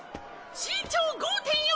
身長５．４